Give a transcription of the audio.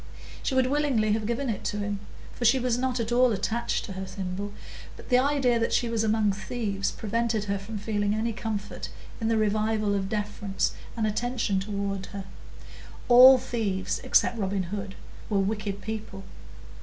She would willingly have given it to him, for she was not at all attached to her thimble; but the idea that she was among thieves prevented her from feeling any comfort in the revival of deference and attention toward her; all thieves, except Robin Hood, were wicked people.